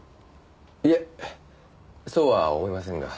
いえそうは思いませんが。